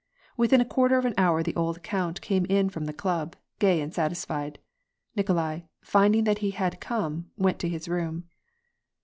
Within a quarter of an hour the old count came in from the club, gay and satisfied. Nikolai, find ing that he had come, went to his room.